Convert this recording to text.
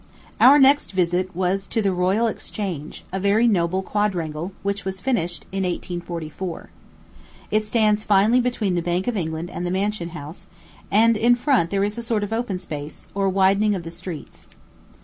Our next visit was to the Royal Exchange, a very noble quadrangle, which was finished in 1844. It stands finely between the Bank of England and the Mansion House, and in front there is a sort of open space, or widening of the streets.